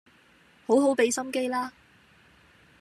好好畀心機啦